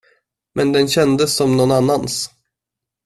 Men den kändes som nån annans.